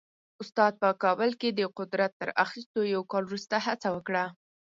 استاد په کابل کې د قدرت تر اخیستو یو کال وروسته هڅه وکړه.